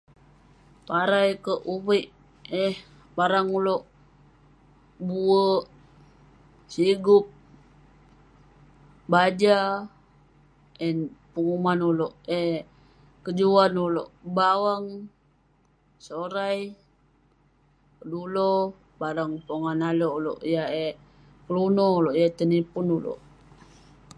Parai kek [unintelligible] uvek eh barang oluek buek sigup baja an peguman oleuk eh kejuan oluek bawang sorai ngeluno barang yah pogah nalek oluek yah eh ngeluno oleuk yah tinepun oluek